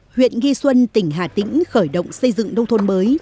huyện nghi xuân tỉnh hà tĩnh khởi động xây dựng nông thôn mới